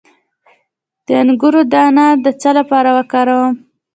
د انګور دانه د څه لپاره وکاروم؟